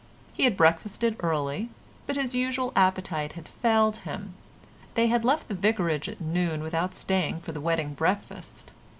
He had breakfasted early, but his usual appetite had failed him. They had left the vicarage at noon without staying for the wedding breakfast.